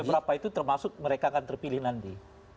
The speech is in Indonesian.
dari beberapa itu termasuk mereka akan terpilih nandi